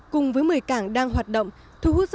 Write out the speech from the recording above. cùng với một mươi cảng đang hoạt động